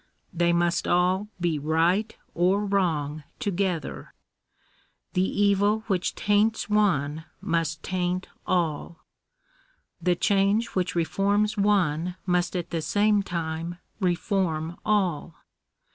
They must all he right or wrong together. The evil which taints one must taint all. The change which reforms one must at the same time reform all.